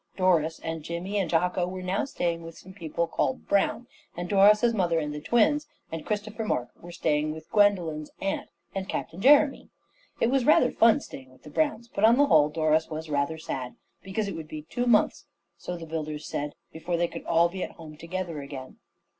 Doris and Jimmy and Jocko were now staying with some people called Brown; and Doris's mother and the twins and Christopher Mark were staying with Gwendolen's aunt and Captain Jeremy. It was rather fun staying with the Browns, but on the whole Doris was rather sad, because it would be two months, so the builders said, before they could all be at home together again.